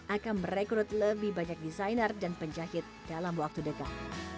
akan merekrut lebih banyak desainer dan penjahit dalam waktu dekat